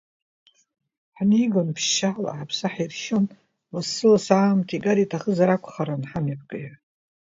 Ҳнеигон ԥшьшьала, ҳаԥсы ҳиршьон лассы-лассы аамҭа игар иҭахызар акәхарын ҳамҩаԥгаҩы.